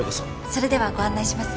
それではご案内します。